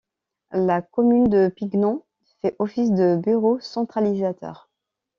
La commune de Pignan fait office de bureau centralisateur.